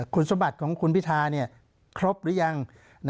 คุณสมบัติของคุณพิธาครบหรือยัง